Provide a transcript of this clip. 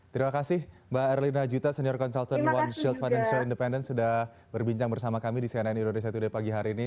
terima kasih mbak erlina juta senior consultant one shield financial independent sudah berbincang bersama kami di cnn indonesia today pagi hari ini